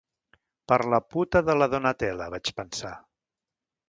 Per la puta de la Donatella, vaig pensar.